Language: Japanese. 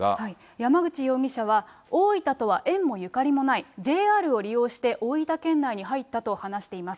山口容疑者は大分とは縁もゆかりもない、ＪＲを利用して大分県内に入ったと話しています。